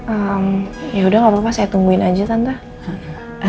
eh yaudah gak apa apa saya tungguin aja tante